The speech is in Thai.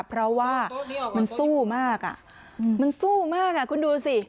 เพราะว่ามันสู้มากอ่ะมันสู้มากคุณดูสิ